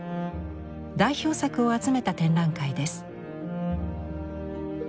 代表作を集めた展覧会です。